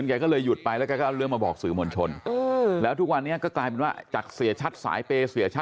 หน่อยค่ะคือไต้พิเศษบ๊วยนี่นะ